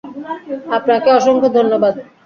আপনাকে অসংখ্য ধন্যবাদ!